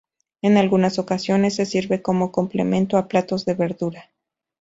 En algunas ocasiones se sirven como complemento a platos de verduras.